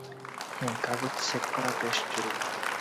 হ্যাঁ, কাগজ চেক করা বেশ জরুরি।